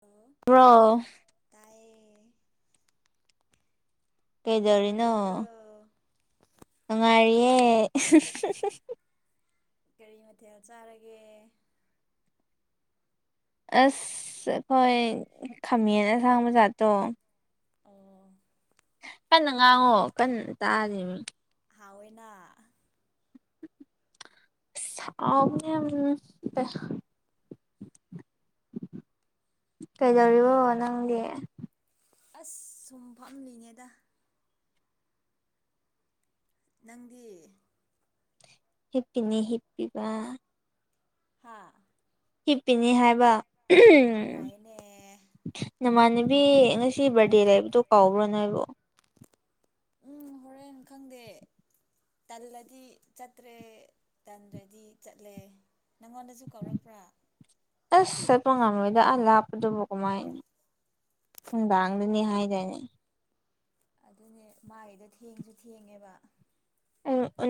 hello ꯔꯣ ꯇꯥꯏꯌꯦ ꯀꯩꯗꯧꯔꯤꯅꯣ ꯅꯨꯡꯉꯥꯏꯔꯤꯕ꯭ꯔꯣ ꯉꯔꯤꯦ ꯀꯔꯤ ꯃꯊꯦꯜ ꯆꯥꯔꯒꯦ ꯑꯁ ꯑꯩꯈꯣꯏ ꯈꯥꯃꯦꯟ ꯑꯁꯥꯡꯕꯖꯥꯠꯇꯣ ꯑꯣ ꯀꯟꯅ ꯉꯥꯡꯉꯣ ꯀꯟꯅ ꯇꯥꯔꯤ ꯍꯑꯣꯅꯥ ꯑꯅꯦ ꯀꯩꯗꯧꯔꯤꯕꯣ ꯅꯪꯗꯤ ꯑꯁ ꯁꯨꯝ ꯐꯝꯂꯤꯉꯗ ꯅꯪꯗꯤ ꯍ ꯄꯅꯤ ꯍꯞꯄꯕ ꯍꯥꯥ ꯍꯤꯄꯤꯅꯤ ꯍꯥꯏꯕ ꯎꯝ ꯅꯨꯡꯉꯥꯏꯌꯦꯅꯦ ꯅꯃꯥꯟꯅꯕꯤ ꯉꯁꯤ ꯕꯥꯔꯗꯦ ꯂꯩꯕꯗꯣ ꯀꯥꯎꯕ꯭ꯔꯣ ꯅꯣꯏꯕꯣ ꯎꯝ ꯍꯣꯔꯦꯟꯦꯟ ꯈꯪꯗꯦ ꯇꯜꯂꯗꯤ ꯆꯠꯇ꯭ꯔꯦ ꯇꯜꯂꯗꯤ ꯆꯠꯂꯦ ꯅꯪꯉꯣꯟꯗꯁꯨ ꯀꯧꯔꯛꯄ꯭ꯔꯥ ꯑꯁ ꯆꯠꯄ ꯉꯝꯃꯣꯏꯗ ꯑꯥ ꯂꯥꯞꯄꯗꯨꯕ ꯀꯃꯥꯏꯅ ꯎ ꯗꯅꯤ ꯍꯥꯏꯗꯅꯦ ꯑꯗꯨꯅꯦ ꯃꯥꯒꯤꯗꯣ ꯊꯦꯡꯁꯨ ꯊꯦꯡꯉꯦꯕ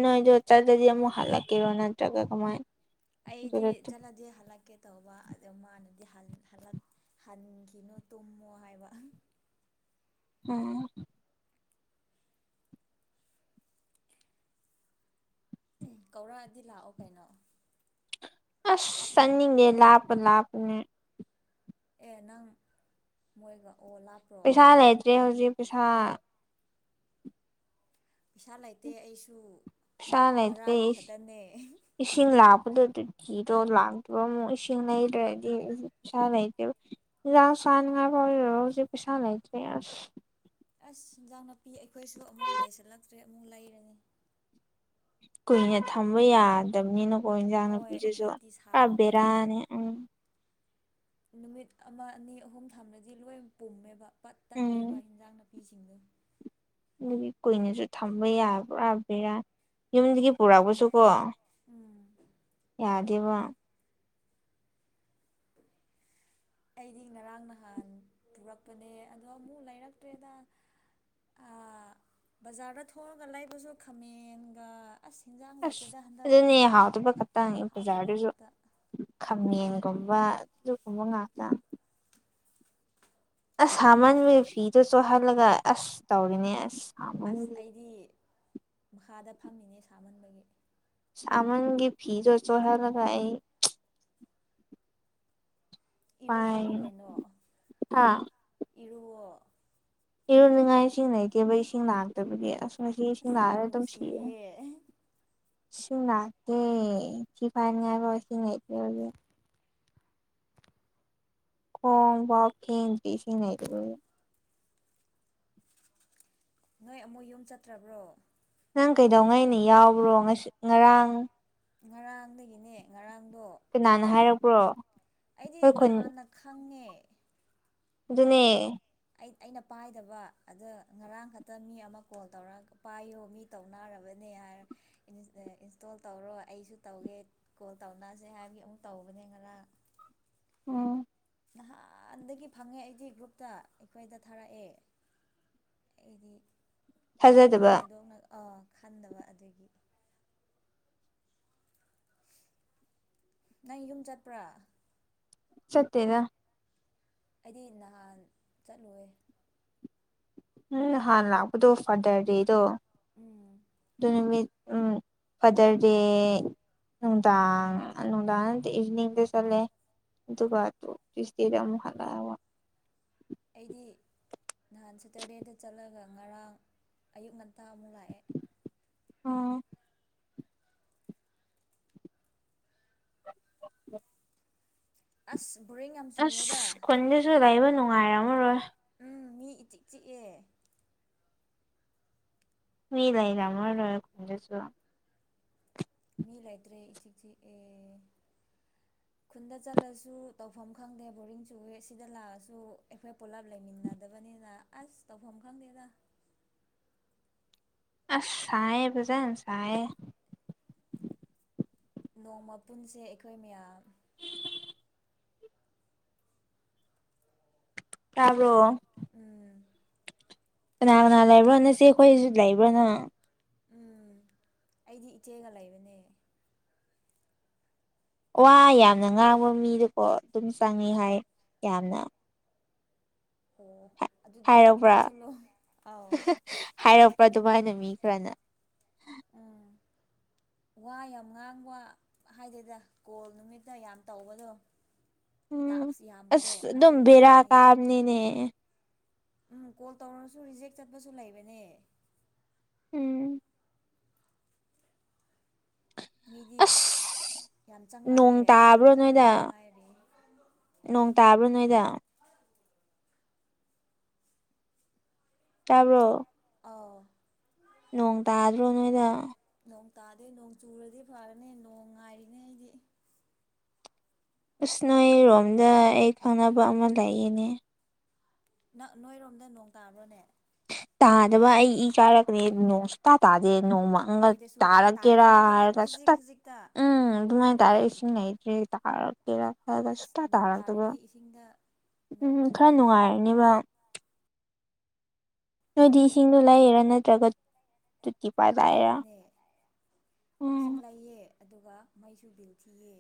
ꯅꯣꯏꯗꯣ ꯆꯗꯗꯤ ꯑꯃꯨꯛ ꯍꯜꯂꯛꯀꯦꯔꯣ ꯅꯠꯇ꯭ꯔꯒ ꯀꯃꯥꯏꯅ ꯑꯩꯗꯤ ꯑꯗꯨꯗ ꯆꯠꯂꯗꯤ ꯍꯜꯂꯛꯀꯦ ꯇꯧꯕ ꯑꯗꯨ ꯃꯥꯅ ꯍꯗ ꯍꯟꯈꯤꯅꯣ ꯇꯨꯝꯃꯣ ꯍꯥꯏꯕ ꯎꯝ ꯑꯦ ꯀꯧꯔꯛꯑꯗꯤ ꯂꯥꯛꯑꯣ ꯀꯩꯅꯣ ꯑꯁ ꯆꯅꯤꯡꯉꯦ ꯂꯥꯄ ꯂꯥꯄꯅꯦ ꯑꯦ ꯅꯪ ꯃꯣꯏꯒ ꯑꯣ ꯂꯥꯞꯄ꯭ꯔꯣ ꯄꯩꯁꯥ ꯂꯩꯇ꯭ꯔꯦ ꯍꯧꯖꯤꯛ ꯄꯩꯁꯥ ꯄꯩꯁꯥ ꯂꯩꯇꯦ ꯑꯩꯁꯨ ꯁꯅꯥꯏ ꯚꯔꯥꯒꯤ ꯈꯛꯇꯅꯦ ꯏꯁꯤꯡ ꯂ ꯑꯗꯨ ꯑꯗꯨ ꯊꯤꯗꯣ ꯂꯥꯛꯇ꯭ꯔꯣ ꯑꯃꯨꯛ ꯏꯁꯤꯡ ꯂꯩꯗ꯭ꯔꯗꯤ ꯄꯩꯁꯥ ꯂꯩꯇꯦꯕ ꯥꯟ ꯉꯥꯏꯕꯣꯖꯤ ꯄꯩꯁꯥ ꯂꯩꯇ ꯑꯁ ꯏꯤꯟꯖꯥꯡ ꯅꯥꯄꯤ ꯑꯩꯈꯣꯏꯁꯨ ꯑꯃꯨꯛ ꯂꯩꯥꯏꯁꯤꯜꯂꯛꯇ꯭ꯔꯦ ꯑꯃꯨꯛ ꯂꯩꯔꯅꯤ ꯀꯨꯏꯅ ꯊꯝꯕ ꯌꯥꯗꯕꯅꯤꯅ ꯍꯣꯏ ꯣꯏꯖꯤꯖꯁꯨ ꯍꯟꯗꯛꯇꯤ ꯁꯥꯕꯅꯤꯅ ꯀꯕꯦꯔꯥꯅꯤ ꯎꯝ ꯅꯨꯃꯤꯠ ꯑꯃ ꯑꯅꯤ ꯑꯍꯨꯝ ꯊꯥꯅꯗꯤ ꯂꯣꯏ ꯄꯨꯝꯃꯦꯕ ꯄꯠ ꯇꯠꯂꯦꯕ ꯎꯝ ꯍꯟꯖꯥꯡꯅ ꯅꯨꯄꯤꯁꯤꯡꯗ ꯑꯗꯨꯒꯤ ꯀꯨꯏꯅꯁꯨ ꯊꯝꯕ ꯌꯥꯕ꯭ꯔꯥꯕꯔꯥ ꯌꯨꯝꯗꯒꯤ ꯄꯨꯔꯛꯄꯁꯨꯀꯣ ꯎꯝ ꯌꯥꯗ ꯋꯥ ꯑꯩꯗꯤ ꯉꯔꯥꯡ ꯅꯍꯥꯟ ꯄꯨꯔꯛꯄꯅꯦ ꯑꯗꯣ ꯑꯃꯨꯛ ꯂꯩꯔꯛꯇ꯭ꯔꯦꯗ ꯕꯖꯥꯔꯗ ꯊꯣꯛꯑꯒ ꯂꯩꯕꯁꯨ ꯈꯥꯃꯦꯟꯒ ꯑꯁ ꯍꯤꯟꯖꯥꯡ ꯑꯁ ꯂꯩꯇꯦꯗ ꯍꯟꯗꯛ ꯑꯗꯨꯅꯦ ꯍꯥꯎꯗꯕ ꯈꯛꯇꯪꯅꯤ ꯍꯥꯎꯇꯕ ꯕꯖꯥꯔꯗꯨꯁꯨ ꯉꯥꯛꯇ ꯈꯪꯅꯤ ꯀꯝꯕ ꯁꯤꯁꯨ ꯀꯣꯕ ꯉ ꯑꯁ ꯍꯥꯃꯟꯕ ꯐꯤꯗꯣ ꯆꯣꯍꯜꯂꯒ ꯑꯁ ꯇꯧꯔꯤꯅꯦ ꯑꯁ ꯑꯁ ꯁꯥꯃꯟꯒꯤ ꯑꯩꯗꯤ ꯃꯈꯥꯗ ꯐꯝꯃꯤꯅꯦ ꯁꯥꯃꯟꯕꯒꯤ ꯁꯃꯥꯡꯒꯤ ꯐꯤꯔꯣ ꯆꯍꯂꯒꯏ ꯄꯥꯏ ꯏꯔꯨꯊꯣꯛꯑꯣ ꯀꯩꯅꯣ ꯍꯥ ꯏꯔꯨꯑꯣꯣ ꯏꯔꯣꯟꯅꯤꯡꯉꯥꯏ ꯏꯁꯤꯡ ꯂꯩꯇꯦꯕ ꯏꯁꯤꯡ ꯂꯥꯛꯇꯕꯒꯤ ꯑꯁ ꯉꯁꯤ ꯑꯁ ꯁꯤꯅꯔꯦ ꯌꯥꯝ ꯑꯗꯨꯝ ꯁꯤꯦ ꯅꯨꯡꯁꯤꯌꯦ ꯁꯅꯥ ꯀꯦ ꯁꯤꯐꯥꯏꯅꯤ ꯍꯥꯏꯕ ꯁꯤꯉꯦ ꯈꯣꯡ ꯋꯥꯞ ꯈ ꯄꯁꯤꯅ ꯍꯥꯏꯗ ꯅꯣꯏ ꯑꯃꯨꯛ ꯌꯨꯝ ꯆꯠꯇ꯭ꯔꯕ꯭ꯔꯣ ꯅꯪ ꯀꯩꯗꯧꯉꯩꯅ ꯌꯥꯎꯕ꯭ꯔꯣ ꯉꯁꯤ ꯉꯔꯥꯡ ꯉꯔꯥꯡꯗꯒꯤꯅꯦ ꯉꯔꯥꯡ ꯑꯗꯣ ꯀꯅꯥꯅ ꯀꯩꯅꯣ ꯍꯥꯏꯔꯛꯄ꯭ꯔꯣ ꯑꯩꯗꯤ ꯑꯩꯈꯣꯏ ꯈꯨꯟ ꯅꯍꯥꯟꯅ ꯈꯪꯉꯦ ꯑꯗꯨꯅꯦ ꯑꯩ ꯑꯩꯅ ꯄꯥꯏꯗꯕ ꯑꯗꯣ ꯉꯔꯥꯡ ꯈꯛꯇ ꯃꯤ ꯑꯃ ꯀꯣꯜ ꯇꯧꯔ ꯄꯥꯏꯌꯣ ꯃꯤ ꯇꯧꯅꯔꯕꯅꯤ ꯏꯟꯁꯇꯣꯜ ꯇꯧꯔꯣ ꯑꯩꯁꯨ ꯇꯧꯒꯦ ꯀꯣꯜ ꯇꯧꯅꯁꯦ ꯍꯥꯏꯕꯒꯤ ꯑꯃꯨꯛ ꯇꯧꯕꯅꯤ ꯦꯡꯔ ꯎꯝ ꯅꯍꯥꯟꯗꯒꯤ ꯐꯪꯉꯦ ꯑꯩꯗꯤ ꯒ꯭ꯔꯨꯞꯇ ꯑꯩꯈꯣꯏꯗ ꯊꯥꯔꯛꯑꯦ ꯏꯗꯤ ꯄꯥꯛ ꯊꯥꯖꯗꯕ ꯊꯩꯗꯣꯛꯅ ꯑꯥ ꯈꯟꯗꯕ ꯑꯗꯨꯒꯤ ꯅꯪ ꯌꯨꯝ ꯆꯠꯄ꯭ꯔꯥ ꯁꯠꯇꯦꯒ ꯑꯩꯗꯤ ꯅꯍꯥꯟ ꯆꯠꯂꯦ ꯍꯥꯟꯅ ꯂꯥꯛꯄꯗꯣ ꯐꯥꯗꯔ ꯗꯦꯗꯣ ꯎꯝ ꯑꯗꯨ ꯅꯨꯃꯤꯠ ꯎꯝ ꯐꯥꯗꯔ ꯗꯦ ꯅꯨꯡꯗꯥꯡ ꯅꯨꯡꯗꯥꯡ ꯏꯚꯅꯤꯡꯗ ꯆꯠꯂꯦ ꯑꯗꯨꯒꯕꯥ ꯇ ꯇꯁꯇꯗꯃꯨ ꯍꯂ ꯑꯩꯗꯤ ꯅꯍꯥꯟ ꯁꯦꯇꯔꯗꯦꯗ ꯆꯠꯂꯒ ꯉꯔꯥꯡ ꯑꯌꯨꯛ ꯉꯟꯇꯥꯛ ꯑꯣ ꯎꯝ ꯑꯁ ꯕꯣꯔꯤꯡ ꯌꯥꯝ ꯆꯨꯋꯦꯗ ꯑꯁ ꯈꯨꯣꯟꯗꯁꯨ ꯂꯩꯕ ꯅꯨꯡꯉꯥꯏꯔꯝꯃꯔꯣꯏ ꯎꯝ ꯃꯤ ꯏꯆꯤꯛ ꯆꯤꯛꯑꯦ ꯃꯤ ꯂꯩ ꯔꯃ ꯂ ꯈꯗꯁꯨ ꯃꯤ ꯂꯩꯇ꯭ꯔꯦ ꯏꯆꯤꯁꯤꯤ ꯈꯨꯟꯗ ꯆꯠꯂꯁꯨ ꯇꯧꯐꯝ ꯈꯪꯗꯦ ꯕꯣꯔꯤꯡ ꯆ ꯎꯏ ꯁꯤꯗ ꯂꯥꯛꯑꯁꯨ ꯑꯩꯈꯣꯏ ꯄꯨꯜꯂꯞ ꯂꯩꯃꯤꯟꯅꯗꯕꯅꯤ ꯅꯦꯗ ꯑꯁ ꯇꯧꯐꯝ ꯈꯪꯗꯦꯗ ꯑꯁ ꯁꯌꯦꯦ ꯖꯥꯦꯟ ꯆꯌꯦꯦ ꯅꯣꯡꯃꯄꯨꯟꯁꯦ ꯑꯩꯈꯣꯏ ꯃꯌꯥꯝ [unintelligible] ꯇꯥꯕꯣ ꯎꯝ ꯀꯅꯥ ꯀꯅꯥ ꯂꯩꯕ꯭ꯔꯣꯅ ꯁꯤꯦ ꯑꯩꯈꯣꯏꯁꯨ ꯂꯩꯕ꯭ꯔꯣꯅꯣ ꯎꯝ ꯑꯩꯗꯤ ꯏꯆꯦꯒ ꯂꯩꯕꯅꯦ ꯋꯥ ꯌꯥꯝꯅ ꯉꯥꯡꯕ ꯃꯤꯗꯀꯣ ꯑꯗꯨꯝ ꯆꯪꯉꯤ ꯍꯥꯏ ꯌꯥꯝꯅ ꯑꯣ ꯑꯗꯨꯗꯤ ꯌꯥꯝ ꯍꯥꯏꯄ꯭ꯔꯥ ꯉꯥꯡꯁꯜꯂꯣ ꯑꯥꯎ ꯍꯥꯏꯔꯛꯄ꯭ꯔꯥ ꯑꯗꯨꯃꯥꯏꯅ ꯃꯤ ꯈꯔꯅ ꯎꯝ ꯋꯥ ꯌꯥꯝ ꯉꯥꯡꯕ ꯍꯥꯏꯗꯦꯗ ꯀꯣꯜ ꯅꯨꯃꯤꯠꯇ ꯌꯥꯝ ꯇꯧꯕꯗꯣ ꯎꯝ ꯇꯥꯛꯁ ꯌꯥꯝꯕꯗꯣ ꯑꯁ ꯑꯗꯨ ꯑꯗꯨꯝꯕꯕꯤꯔꯥ ꯑꯣꯏꯔꯝꯒꯅꯤ ꯀꯥꯅꯤꯅꯦ ꯎꯝ ꯀꯣꯜ ꯇꯧꯔꯁꯨ ꯔꯤꯖꯦꯛ ꯆꯠꯄꯁꯨ ꯂꯩꯕꯅꯦ ꯎꯝ ꯃꯤꯗꯤ ꯑꯁ ꯌꯥꯝ ꯆꯥꯡ ꯅꯣꯡ ꯈ꯭ꯔꯦ ꯇꯥꯕ꯭ꯔꯣ ꯑꯩꯈꯣꯏꯗꯤ ꯅꯣꯏꯗ ꯍꯧꯕꯗ ꯉꯥꯏꯔꯦ ꯅꯣꯡ ꯇꯥꯕ꯭ꯔꯣ ꯅꯣꯏꯗ ꯇꯥꯕ꯭ꯔꯣ ꯑꯧ ꯅꯣꯡ ꯇꯥꯗ꯭ꯔꯣ ꯅꯣꯏꯗ ꯅꯣꯡ ꯇꯥꯗꯦ ꯅꯣꯡ ꯆꯨꯔꯗꯤ ꯐꯔꯅꯤ ꯅꯣꯡ ꯉꯥꯏꯔꯤꯅꯦ ꯑꯩꯗꯤ ꯑꯁ ꯅꯣꯏꯔꯣꯝꯗ ꯑꯩ ꯈꯪꯅꯕ ꯑꯃ ꯂꯩꯌꯦꯅꯦ ꯅ ꯅꯣꯏꯔꯣꯝꯗ ꯅꯣꯡ ꯇꯥꯕ꯭ꯔꯣꯅꯦ ꯇꯥꯗꯕ ꯑꯩ ꯏ ꯀꯥꯔꯛꯀꯅꯤ ꯅꯣꯡ ꯁꯨꯡꯇꯥ ꯇꯥꯗ ꯅꯣꯡ ꯃꯪꯒ ꯑꯩꯈꯣꯏꯗꯁꯨ ꯇꯔꯥ ꯇꯥꯔꯁꯨ ꯈꯖꯤꯛ ꯀꯦꯔꯥꯔꯒꯁꯨ ꯈꯖꯤꯛ ꯇ ꯈꯖꯤꯛꯇ ꯎꯝ ꯑꯗꯨꯃꯥꯏ ꯇꯔꯁꯤ ꯂꯩꯇ꯭ꯔꯦ ꯇꯥꯔꯛꯀꯦꯔꯥ ꯐꯔ ꯑꯁ ꯁꯨꯡꯇꯥ ꯅꯣꯡ ꯇꯥꯔꯛꯇꯕ ꯇꯥꯔꯗꯤ ꯏꯁꯤꯡꯗ ꯎꯝ ꯅꯣꯡ ꯈꯔ ꯃꯔꯛꯇ ꯅꯨꯡꯉꯥꯏꯔꯅꯦꯕ ꯅꯣꯏꯗꯤ ꯅꯣꯡ ꯏꯁꯤꯡꯗꯨ ꯂꯩꯥꯏꯔꯤ ꯅꯠꯇ꯭ꯔꯒ ꯇꯨꯇꯤ ꯄꯥꯏꯞ ꯂꯥꯛꯏꯔꯥ ꯂꯩꯕꯅꯦ ꯎꯨꯝ ꯏꯁꯤꯡ ꯂꯩꯌꯦ ꯑꯗꯨꯒ ꯃꯩꯁꯨ ꯕꯤꯜ ꯊꯤꯌꯦ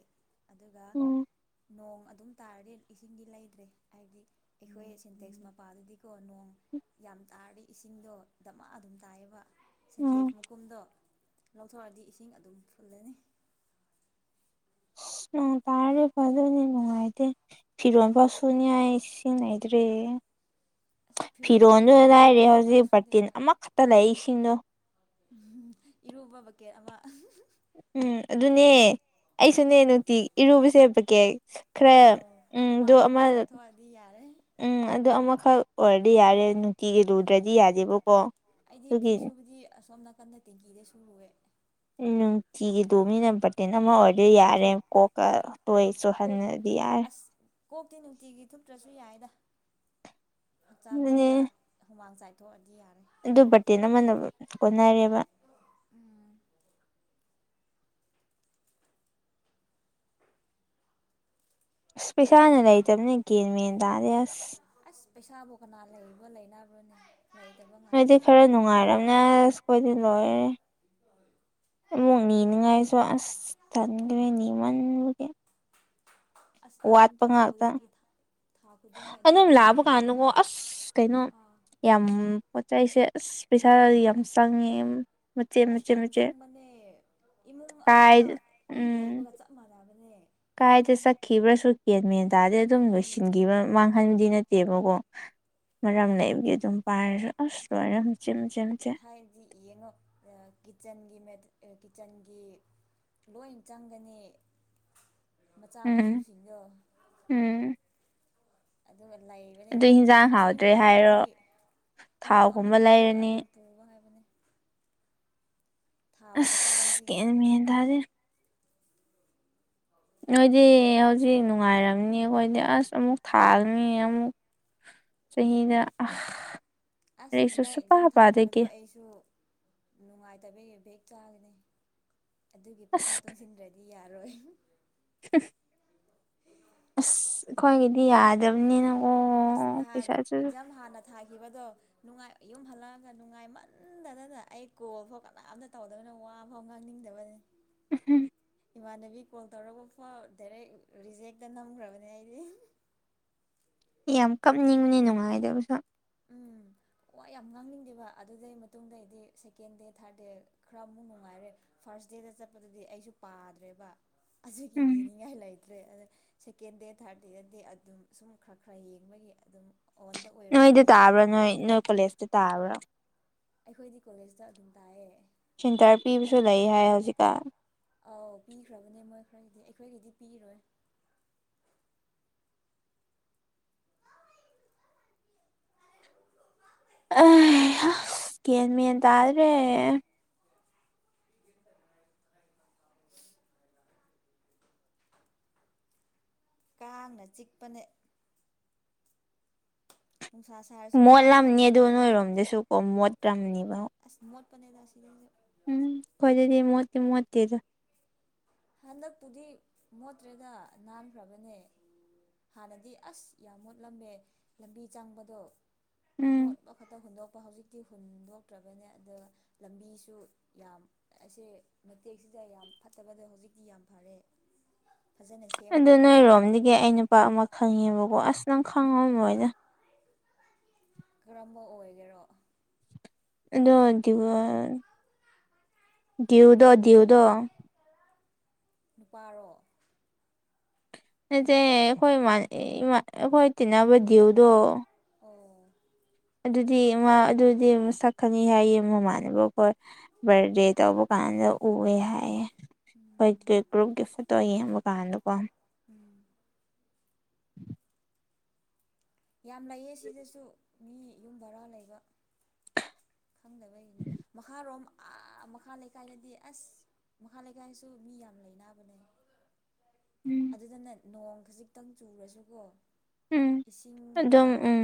ꯑꯗꯨꯒ ꯎꯝ ꯅꯣꯡ ꯑꯗꯨꯝ ꯇꯥꯔꯗꯤ ꯏꯁꯤꯡꯗꯤ ꯂꯩꯗ꯭ꯔꯦ ꯍꯥꯏꯕꯗꯤ ꯑꯩꯈꯣꯏ ꯁꯤꯟꯇꯦꯛꯁ ꯃꯄꯥꯗꯨꯗꯤꯀꯣ ꯅꯣꯡ ꯌꯥꯝ ꯇꯥꯔꯗꯤ ꯏꯁꯤꯡꯗꯣ ꯗꯃꯥ ꯑꯗꯨꯝ ꯇꯥꯏꯌꯦꯕ ꯎꯝ ꯁꯦꯟꯇꯦꯛ ꯃꯥꯀꯨꯝꯗꯣ ꯂꯧꯊꯣꯛꯑꯗꯤ ꯏꯁꯤꯡ ꯑꯗꯨꯝ ꯐꯨꯜꯂꯅꯤ ꯎ ꯇꯥꯔꯦ ꯐꯗꯣꯅꯤ ꯅꯨꯡꯉꯥꯏꯇꯦ ꯐꯤꯔꯣꯟ ꯐꯁꯨꯅꯤꯏ ꯏꯁꯤꯡ ꯂꯩꯗ꯭ꯔꯦ ꯑꯁ ꯐꯤꯔꯣꯟꯗꯤ ꯐꯤꯔꯣꯟꯜꯗꯨ ꯑꯩꯈꯣꯏꯗꯤ ꯂꯥꯏꯔꯦ ꯄꯥꯛ ꯍꯧꯖꯤꯛ ꯕꯥꯔꯇꯤꯟ ꯁꯨꯗꯦꯗ ꯑꯃꯈꯛꯇ ꯂꯩ ꯏꯁꯤꯡꯗꯣ ꯎꯝ ꯏꯔꯨꯕ ꯕꯛꯀꯦꯠ ꯑꯃ ꯎꯝ ꯑꯗꯨꯅꯦ ꯑꯩꯁꯨꯅꯦ ꯅꯨꯡꯇꯤ ꯏꯔꯨꯕꯁꯦ ꯄꯀꯦ ꯈꯔ ꯑꯧ ꯎꯝ ꯑꯗꯨ ꯍꯨꯃꯥꯡꯗꯣ ꯑꯃ ꯈꯔ ꯆꯥꯏꯊꯣꯛꯑꯗꯤ ꯌꯥꯔꯦ ꯎꯝ ꯑꯗꯨ ꯑꯃꯈꯛ ꯑꯣꯏꯔꯗꯤ ꯌꯥꯔꯦ ꯅꯨꯡꯇꯤꯒꯤ ꯂꯨꯗ꯭ꯔꯗꯤ ꯌꯥꯗꯦꯕꯀꯣ ꯑꯗꯨꯒꯤ ꯀꯟꯅ ꯇꯦꯡꯀꯤꯗ ꯁꯨꯔꯨꯔꯦ ꯎꯝ ꯅꯨꯡꯇꯤꯒꯤ ꯇꯣꯕꯅꯤꯅ ꯕꯀꯦꯠ ꯑꯃ ꯗꯤ ꯌꯥꯔꯦ ꯀꯣꯛꯀ ꯀꯣꯛ ꯇꯣꯏꯁꯨꯍꯟꯟꯅꯗꯤ ꯌꯥꯔꯦ ꯑꯁ ꯀꯣꯛꯇꯤ ꯅꯨꯡꯇꯤꯒꯤ ꯊꯨꯞꯇ꯭ꯔꯁꯨ ꯌꯥꯏꯗ ꯍꯛꯆꯥꯡꯗꯣ ꯑꯗꯨꯅꯦ ꯈꯔ ꯍꯨꯃꯥꯡ ꯆꯥꯏꯊꯣꯛꯑꯗꯤ ꯌꯥꯔꯦ ꯑꯗꯨ ꯕꯥꯔꯇꯦꯟ ꯑꯃꯅ ꯀꯣꯟꯅꯔꯦꯕ ꯑꯁ ꯄꯩꯁꯥꯅ ꯂꯩꯇꯕꯅꯦ ꯀꯦꯟ ꯃꯦꯟ ꯇꯥꯗꯦ ꯑꯥꯁ ꯄꯩꯁꯥꯕꯣ ꯀꯅꯥ ꯂꯩꯕ ꯂꯩꯅꯕ꯭ꯔꯅꯦ ꯅꯣꯏꯗꯤ ꯈꯔ ꯅꯨꯡꯉꯥꯏꯔꯝꯅꯦ ꯑꯁ ꯑꯩꯈꯣꯏꯗꯤ ꯂꯣꯏꯔꯦ ꯑꯃꯨꯛ ꯅꯤꯅꯨꯡꯉꯥꯏꯁꯨ ꯑꯁ ꯇꯟꯒꯔꯦ ꯅꯤꯃꯟꯕꯒꯤ ꯑꯁ ꯋꯥꯠ ꯑꯗꯨꯝ ꯄ ꯊꯥ ꯉꯥꯛꯇꯥ ꯈꯨꯗꯤꯡꯒꯤ ꯊꯥ ꯈꯨꯗꯤꯡꯒꯤ ꯑꯗꯨꯝ ꯂꯥꯛꯑꯕ ꯍꯨꯜꯂꯤꯅꯤꯅꯦ ꯀꯥꯟꯗꯀꯣ ꯑꯁ ꯀꯩꯅꯣ ꯑꯥ ꯌꯥꯝ ꯄꯣꯠꯆꯩꯁꯦ ꯑꯁ ꯄꯩꯁꯥ ꯌꯥꯝ ꯆꯪꯉꯦ ꯃꯆꯦꯠ ꯑꯁ ꯃꯆꯦꯠ ꯌꯥꯝ ꯃꯆꯦꯠ ꯆꯪꯕꯅꯦ ꯏꯃꯨꯡ ꯑꯃ ꯀꯥꯏ ꯎꯝ ꯂꯩꯕꯒ ꯆꯞ ꯃꯥꯟꯅꯕꯅꯤ ꯀꯥꯏꯗ ꯆꯠꯈꯤꯕ꯭ꯔꯁꯨ ꯀꯦꯟ ꯃꯦꯟ ꯇꯥꯔꯗꯤ ꯑꯗꯨꯝ ꯎꯝ ꯂꯣꯏꯁꯤꯟꯈꯤꯕ ꯃꯥꯡꯍꯟꯕꯗꯤ ꯅꯠ ꯇꯦꯕꯀꯣ ꯃꯔꯝ ꯂꯩꯕꯒꯤ ꯑꯗꯨꯝ ꯄꯥꯏꯔꯁꯨ ꯑꯁ ꯂꯣꯏꯔꯦ ꯃꯆꯦꯠ ꯃꯆꯦꯠ ꯍꯥꯏꯗꯤ ꯌꯦꯡꯉꯣ ꯀꯤꯠꯆꯟꯒꯤꯅꯦ ꯀꯤꯠꯆꯟꯒꯤ ꯂꯣꯏꯟ ꯆꯪꯒꯅꯤ ꯃꯆꯥ ꯎꯝ ꯃꯁꯨꯁꯤꯡꯗꯣ ꯎꯝ ꯑꯗꯨꯒ ꯑꯗꯨ ꯂꯩꯕꯅꯤꯅ ꯍꯤꯟꯖꯥꯡ ꯑꯁ ꯍꯥꯎꯇ꯭ꯔꯦ ꯏꯃꯨꯡ ꯍꯥꯏꯔꯣ ꯑꯃꯒꯤ ꯏꯃꯨꯡ ꯊꯥꯎꯒꯨꯝꯕ ꯑꯃꯒꯤ ꯄꯣꯠ ꯂꯩꯔꯅꯤ ꯑꯗꯨꯝ ꯄꯨꯕ ꯍꯥꯏꯕꯅꯤ ꯊꯥꯎ ꯑꯁ ꯈꯨꯇꯥꯡꯁꯤꯒ ꯒꯌꯥꯟ ꯃꯦꯟ ꯇꯥꯗꯦꯗꯥ ꯅꯣꯏꯗꯤ ꯍꯧꯖꯤꯛ ꯅꯨꯡꯉꯥꯏꯔꯝꯅꯤ ꯑꯩꯈꯣꯏꯗꯤ ꯑꯁ ꯑꯃꯨꯛ ꯊꯥꯡꯅꯤ ꯑꯃꯨꯛ ꯆꯍꯤꯗ ꯍ ꯑꯁ ꯍꯟꯗꯛ ꯑꯦꯛꯖꯥꯝ ꯊꯥꯈꯤꯕꯗꯣ ꯑꯩꯁꯨ ꯅꯨꯡꯉꯥꯏꯇꯕꯒꯤ ꯕꯦꯛ ꯆꯥꯒꯅꯤ ꯑꯗꯨꯒꯤ ꯄꯩꯁꯥ ꯇꯨꯡꯁꯤꯟꯗ꯭ꯔꯗꯤ ꯌꯥꯔꯣꯏ ꯍꯥ ꯑꯁ ꯑꯩꯈꯣꯏꯒꯤꯗꯤ ꯌꯥꯗꯕꯅꯤꯅ ꯑꯁ ꯅꯍꯥꯟ ꯑꯦꯛꯖꯥꯝ ꯍꯥꯟꯅ ꯊꯥꯈꯤꯕꯗꯣ ꯅꯨꯡꯉꯥꯏ ꯌꯨꯝ ꯍꯜꯂꯛꯑꯒ ꯅꯨꯡꯉꯥꯏꯃꯟꯗꯗꯅ ꯑꯩ ꯀꯣꯜꯐꯥꯎ ꯀꯅꯥꯝꯇ ꯇꯧꯗꯕꯅ ꯋꯥꯐꯥꯎ ꯉꯥꯡꯅꯤꯡꯉ ꯗꯕꯅꯤ ꯎꯝ ꯏꯃꯥꯟꯅꯕꯤ ꯀꯣꯜ ꯇꯧꯔꯒ ꯐꯥꯎ ꯗꯥꯏꯔꯦꯛ ꯔꯤꯖꯦꯛꯇ ꯅꯝꯈ꯭ꯔꯕꯅꯦ ꯑꯩꯗꯤ [inaudible] ꯌꯥꯝ ꯀꯞꯅꯤꯡꯕꯅꯤ ꯎꯝ ꯅꯨꯡꯉꯥꯏꯗꯕꯁꯨ ꯎꯝ ꯋꯥ ꯌꯥꯝ ꯉꯥꯡꯅꯤꯡꯗꯦꯕ ꯑꯗꯨꯗꯩ ꯃꯇꯨꯡꯗꯩꯗꯤ ꯁꯦꯀꯦꯟ ꯗꯦ ꯊꯥꯔꯠ ꯗꯦ ꯈꯔ ꯑꯃꯨꯛ ꯅꯨꯡꯉꯥꯏꯔꯦ ꯐꯥꯔ ꯥꯔꯁ ꯗꯦꯗ ꯆꯠꯄꯗꯗꯤ ꯑꯩꯁꯨ ꯄꯥꯗ꯭ꯔꯦꯕ ꯑꯁꯤꯒꯤ ꯎꯝ ꯏꯅꯤꯡꯉꯥꯏ ꯂꯩ ꯐꯠꯇ꯭ꯔꯦ ꯑꯗ ꯁꯦꯀꯦꯟ ꯗꯦ ꯊꯥꯔꯠ ꯗꯦꯗꯗꯤ ꯑꯗꯨꯝ ꯁꯨꯝ ꯈꯔ ꯈꯔ ꯌꯦꯡꯕꯒꯤ ꯑꯗꯨꯝ ꯑꯣꯟꯗ ꯑꯣꯏꯔꯁꯤ ꯅꯣꯏꯗ ꯇꯥꯕ꯭ꯔꯥ ꯅꯣꯏ ꯅꯣꯏ ꯀꯣꯂꯦꯖꯇ ꯇꯥꯕ꯭ꯔꯥ ꯑꯩꯈꯣꯏꯗꯤ ꯀꯣꯂꯦꯖꯇ ꯑꯗꯨꯝ ꯇꯥꯏꯑꯦ ꯁꯤꯟꯇꯔ ꯄꯤꯕꯁꯨ ꯂꯩ ꯍꯥꯏ ꯍꯧꯖꯤꯛꯀꯥꯟ ꯑꯥꯎ ꯄꯤꯈ꯭ꯔꯕꯅꯦ ꯃꯣꯏ ꯈꯔꯒꯤꯗꯤ ꯑꯩꯈꯣꯏꯒꯤꯗꯤ ꯄꯤꯔꯣꯏ ꯑ ꯀꯦꯟꯃꯦꯜ ꯇꯗ꯭ꯔꯦ ꯀꯥꯡꯅ ꯆꯤꯛꯄꯅꯦ ꯅꯨꯡꯁꯥ ꯁꯥꯔꯁꯨ ꯀꯥꯡꯗꯤ ꯃꯣꯠꯂꯝꯅꯤ ꯑꯗꯨꯝ ꯑꯗꯨ ꯂꯩꯌꯦꯅꯦ ꯅꯣꯏꯔꯣꯝꯗꯁꯨꯀꯣ ꯃꯣꯠꯂꯝꯅꯤꯕ ꯑꯁ ꯃꯣꯠ ꯄꯅꯤꯦꯗ ꯁꯤ ꯎꯝ ꯈꯣꯏꯗꯗꯤ ꯃꯣꯠꯇꯤ ꯃꯠꯇꯦꯗ ꯍꯟꯗꯛꯄꯨꯗꯤ ꯃꯣꯠꯇ꯭ꯔꯒ ꯅꯥꯟꯈ꯭ꯔꯕꯅꯦ ꯍꯥꯟꯅꯗꯤ ꯑꯁ ꯌꯥꯝ ꯃꯣꯠꯂꯝꯃꯦ ꯂꯝꯕꯤ ꯆꯪꯕꯗꯣ ꯎꯝ ꯑꯃꯣꯠꯄ ꯈꯛꯇ ꯍꯨꯗꯣꯛ ꯍꯧꯖꯤꯛꯇꯤ ꯍꯨꯟꯗꯣꯛꯇ꯭ꯔꯕꯅꯦ ꯑ ꯂꯝꯕꯤꯁꯨ ꯌꯥꯝ ꯑꯁꯦ ꯃꯇꯦꯛꯁꯤ ꯁꯤꯗ ꯌꯥꯝ ꯐꯠꯇꯕꯗ ꯍꯧꯖꯤꯛꯇꯤ ꯌꯥꯝ ꯐꯔꯦ ꯐꯖꯅ ꯑꯗꯨ ꯁꯦꯝꯈ꯭ꯔꯦ ꯅꯣꯏꯔꯣꯝꯗꯒꯤ ꯑꯩ ꯅꯨꯄꯥ ꯑꯃ ꯈꯪꯉꯦꯕꯀꯣ ꯑꯁ ꯅꯪ ꯈꯪꯉꯄꯣꯏꯗ ꯀꯔꯝꯕ ꯑꯣꯏꯒꯦꯔꯣ ꯑꯗꯣ ꯗꯤꯌꯨ ꯗꯤꯎꯗꯣ ꯅꯨꯄꯥꯔꯣ ꯅꯆꯦ ꯑꯩꯈꯣꯏ ꯏꯃꯥꯟ ꯑꯩꯈꯣꯏ ꯇꯤꯟꯅꯕ ꯗꯤꯌꯨꯗꯣ ꯑꯣ ꯑꯗꯨꯗꯤ ꯃꯥ ꯑꯗꯨꯗꯤ ꯑꯃ ꯁꯛꯀꯅꯤ ꯍꯥꯏꯌꯦ ꯃꯃꯥꯅꯕꯀꯣꯏ ꯕꯥꯔꯗꯦ ꯇꯧꯕ ꯀꯥꯟꯗ ꯑꯗꯣ ꯎꯑꯦ ꯍꯥꯏꯌꯦ ꯑꯩꯈꯣꯏ ꯒ꯭ꯔꯨꯞꯀꯤ ꯐꯣꯇꯣ ꯌꯦꯡꯕ ꯀꯥꯟꯗꯀꯣ ꯎꯝ [inaudible] ꯌꯥꯝ ꯂꯩꯌꯦ ꯁꯤꯗꯁꯨ ꯃꯤ ꯌꯨꯝ ꯕꯔꯥ ꯂꯩꯕ ꯈꯪꯗꯕꯩꯒꯤꯅꯦ ꯃꯈꯥꯔꯣꯝ ꯑ ꯃꯈꯥ ꯂꯩꯀꯥꯏꯗꯗꯤ ꯑꯁ ꯃꯈꯥ ꯂꯩꯀꯥꯏꯁꯨ ꯃꯤ ꯌꯥꯝ ꯂꯩꯅꯕꯅꯦ ꯎꯝ ꯑꯗꯨꯗꯅꯦ ꯅꯣꯡ ꯈꯖꯤꯛꯇꯪ ꯎꯝ ꯆꯨꯔꯁꯨꯀꯣꯁꯤꯡ ꯑꯗꯨꯝ ꯎꯝ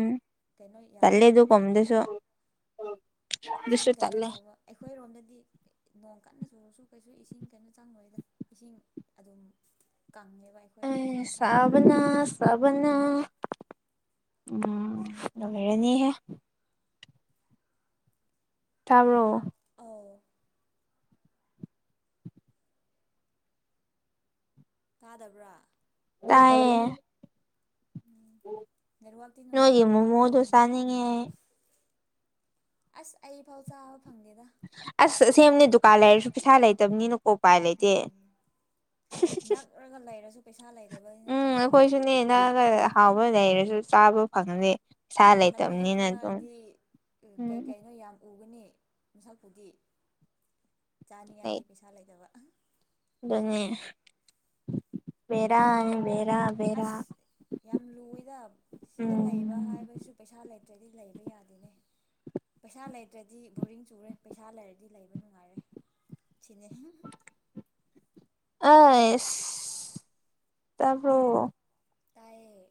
ꯌꯥꯝ ꯆꯂꯦ ꯑꯗꯨ ꯆꯪꯕ ꯀꯝꯗꯁꯨꯣ ꯏꯁꯤꯡ ꯀꯩꯅꯣ ꯇꯧꯕ ꯑꯩꯈꯣꯏꯔꯣꯝꯗꯗꯤ ꯍꯥꯏꯗꯤ ꯅꯣꯡ ꯀꯟꯅ ꯁꯨꯔꯁꯨ ꯀꯩꯁꯨ ꯏꯁꯤꯡ ꯀꯩꯅꯣ ꯆꯪꯗꯣꯏꯣꯏꯗ ꯏꯁꯤꯡ ꯑꯗꯨꯝ ꯀꯪꯉꯦꯕ ꯑꯩꯈꯣꯏꯗꯤ ꯑꯦ ꯃꯊꯛ ꯂꯩꯀꯥꯏꯅꯤꯅ ꯁꯕꯅ ꯁꯕꯅ ꯎꯝ ꯂꯔꯅꯤꯍꯦ ꯇꯕ꯭ꯔꯣ ꯑꯣ ꯇꯥꯗꯕ꯭ꯔꯥ ꯇꯥꯌꯦ ꯎꯝ ꯅꯠ ꯋꯥꯥꯛ ꯅꯣꯏꯒꯤ ꯇꯅꯅꯨꯡꯉꯔꯔꯕꯨꯅꯤꯀꯣ ꯃꯣꯃꯣꯗꯣ ꯆꯥꯅꯤꯡꯉꯦ ꯑꯁ ꯑꯩ ꯐꯥꯎ ꯁꯥꯕ ꯁꯦꯝꯅꯤ ꯗꯨꯀꯥꯟ ꯂꯩꯔꯁꯨ ꯄꯩꯁꯥ ꯂꯩꯇꯕꯅꯤꯅꯀꯣ ꯎꯄꯥꯏ ꯂꯩꯇꯦ ꯎꯝ ꯅꯛꯔꯒ ꯂꯩꯔꯁꯨ ꯄꯩꯁꯥ ꯂꯩꯇꯕꯅꯤꯅ ꯎꯝ ꯎꯄꯥꯏ ꯂꯩꯇꯦ ꯑꯩꯈꯣꯏꯁꯨꯅꯦꯅꯒ ꯍꯥꯎꯕ ꯂꯩꯔꯁꯨ ꯆꯥꯕ ꯐꯪꯅꯤ ꯂꯝꯕꯤꯗ ꯊꯣꯛꯂꯛꯑꯗꯤ ꯀꯩ ꯎꯝ ꯀꯩꯅꯣ ꯌꯥꯝ ꯎꯒꯅꯤ ꯃꯤꯁꯛꯄꯨꯗꯤ ꯆꯥꯅꯤꯉꯥꯏꯗꯤ ꯄꯩꯁꯥ ꯂꯩꯇꯕ ꯗꯅꯤ ꯦꯔ ꯑꯁ ꯌꯥꯝ ꯂꯨꯏꯗ ꯁꯤꯗ ꯂꯩꯕ ꯎꯝ ꯍꯥꯏꯕꯁꯤꯁꯨ ꯄꯩꯁꯥ ꯂꯩꯇ ꯑꯗꯨꯗꯤ ꯂꯩꯕ ꯌꯥꯗꯦꯅꯦ ꯄꯩꯁꯥ ꯂꯩꯇ꯭ꯔꯗꯤ ꯕꯣꯔꯔꯤꯡ ꯆꯨꯔꯦ ꯄꯩꯁꯥ ꯂꯩꯔꯗꯤ ꯂꯩꯕ ꯅꯨꯡꯉꯥꯏꯔꯦ ꯁꯤꯅꯤ ꯑꯁ ꯇꯄ꯭ꯔꯣ ꯇꯥꯏꯌꯦ